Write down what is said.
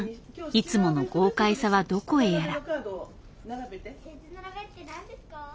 いつもの豪快さはどこへやら。